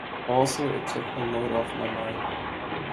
Also it took a load off my mind.